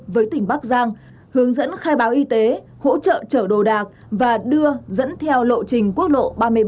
với tỉnh bắc giang hướng dẫn khai báo y tế hỗ trợ trở đồ đạc và đưa dẫn theo lộ trình quốc lộ ba mươi bảy